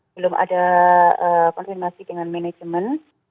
belum ada konfirmasi dengan manajemen